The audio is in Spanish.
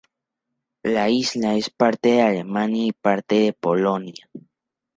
La isla es parte de Alemania y parte de Polonia.